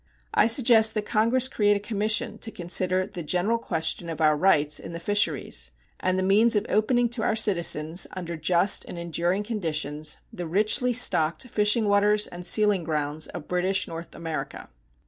I suggest that Congress create a commission to consider the general question of our rights in the fisheries and the means of opening to our citizens, under just and enduring conditions, the richly stocked fishing waters and sealing grounds of British North America.